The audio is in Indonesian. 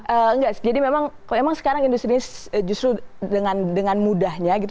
enggak jadi memang sekarang industri ini justru dengan mudahnya gitu